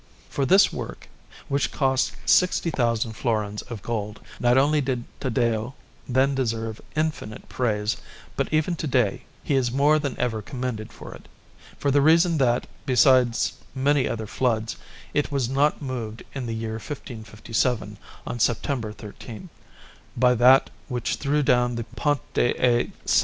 For this work, which cost sixty thousand florins of gold, not only did Taddeo then deserve infinite praise, but even to day he is more than ever commended for it, for the reason that, besides many other floods, it was not moved in the year 1557, on September 13, by that which threw down the Ponte a S.